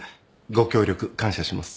ご協力感謝します。